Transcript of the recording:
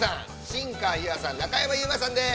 新川優愛さん、中山優馬さんです。